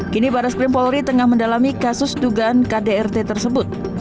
kini barreskrim polri tengah mendalami kasus dugaan kdrt tersebut